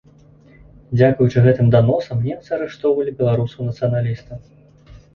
Дзякуючы гэтым даносам, немцы арыштоўвалі беларусаў-нацыяналістаў.